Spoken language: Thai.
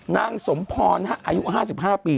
นางสมพรอายุ๕๕ปี